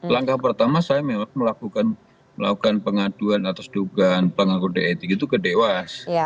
langkah pertama saya memang melakukan pengaduan atas dugaan penganggur dat gitu kedewas